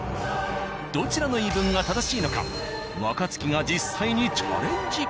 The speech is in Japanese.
どちらの言い分が正しいのか若槻が実際にチャレンジ。